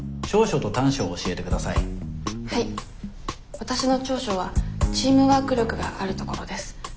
わたしの長所はチームワーク力があるところです。